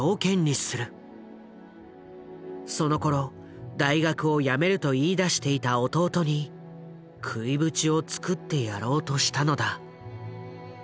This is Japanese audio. そのころ大学をやめると言いだしていた弟に食いぶちをつくってやろうとしたのだ。